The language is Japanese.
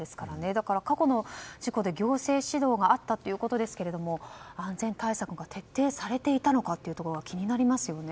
だから過去の事故で行政指導があったということですが安全対策が徹底されていたのかが気になりますよね。